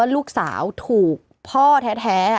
ลูกสาวถูกพ่อแท้